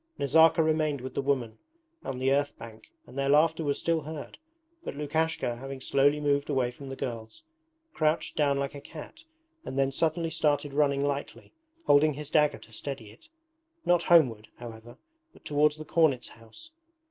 Nazarka remained with the women on the earth bank and their laughter was still heard, but Lukashka, having slowly moved away from the girls, crouched down like a cat and then suddenly started running lightly, holding his dagger to steady it: not homeward, however, but towards the cornet's house.